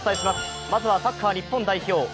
まずはサッカー日本代表